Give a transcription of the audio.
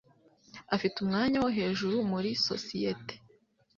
Afite umwanya wo hejuru muri sosiyete.